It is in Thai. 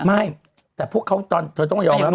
ไม่แต่พวกเขาตอนเธอต้องยอมรับ